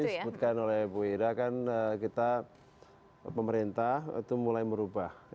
seperti yang disebutkan oleh bu gira kan kita pemerintah itu mulai merubah